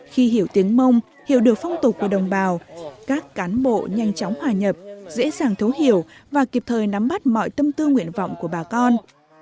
khi hiểu tiếng mông hiểu được phong tố của người mông anh duy có thể hiểu và trò chuyện thân mật với bà con người mông nơi đây